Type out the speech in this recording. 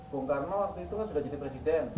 bukarno waktu itu sudah jadi presiden